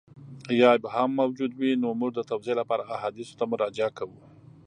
یا ابهام موجود وي نو موږ د توضیح لپاره احادیثو ته مراجعه کوو.